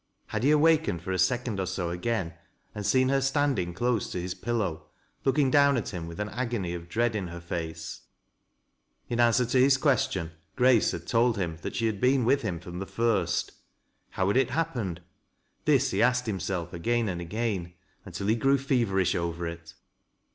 Had he awakened for a second oj BO again and seen her standing close to his pillow, looking down at him with an agony of dread in her face ? In answer to his question, Grace had told him that she had been with him from the fii st. How had it happened 1 This he asked himself again and again, until he grew teverish over it.